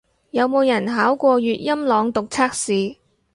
有冇人考過粵音朗讀測試